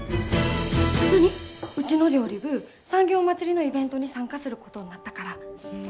うちの料理部産業まつりのイベントに参加することになったから。